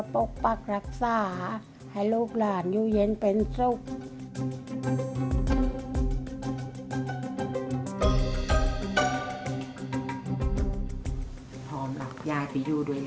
พร้อมหรอยายปริยูด้วยเลย